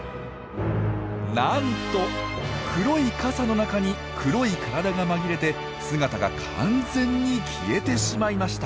なんと黒い傘の中に黒い体が紛れて姿が完全に消えてしまいました！